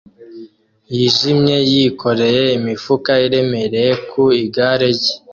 yijimye yikoreye imifuka iremereye ku igare rye